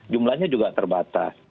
jumlahnya juga terbatas